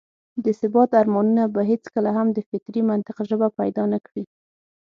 د ثبات ارمانونه به هېڅکله هم د فطري منطق ژبه پيدا نه کړي.